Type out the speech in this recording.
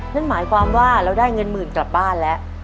นั่นหมายความว่าเราได้เงินหมื่นกลับบ้านแล้ว